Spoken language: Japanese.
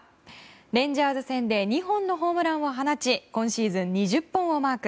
レンジャーズ戦で２本のホームランを放ち今シーズン２０本をマーク。